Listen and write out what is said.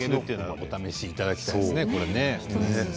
お試しいただきたいですね。